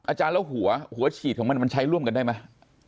อาจารย์แล้วหัวหัวฉีดของมันมันใช้ร่วมกันได้ไหม